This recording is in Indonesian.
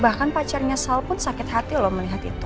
bahkan pacarnya sal pun sakit hati loh melihat itu